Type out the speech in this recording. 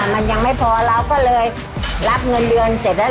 มันยังไม่พอเราก็เลยรับเงินเดือนเสร็จแล้ว